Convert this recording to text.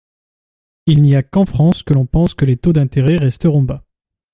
Il n’y a qu’en France que l’on pense que les taux d’intérêt resteront bas.